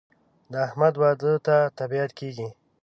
د احمد واده ته طبیعت کېږي.